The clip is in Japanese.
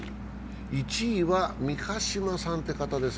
１位は三ヶ島さんという方です。